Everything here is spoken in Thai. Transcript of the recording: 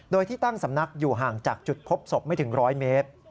โดยที่ตั้งสำนักอยู่ห่างจากจุดพบศพไม่ถึง๑๐๐เมตร